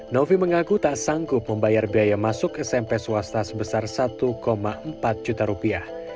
novi mengaku tak sanggup membayar biaya masuk smp swasta sebesar satu empat juta rupiah